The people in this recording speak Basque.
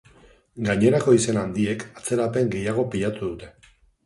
Gainerako izen handiek atzerapen gehiago pilatu dute.